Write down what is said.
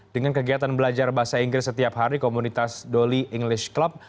dengan kegiatan belajar bahasa inggris setiap hari komunitas doli english club